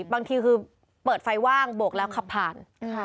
บางทีคือเปิดไฟว่างโบกแล้วขับผ่าน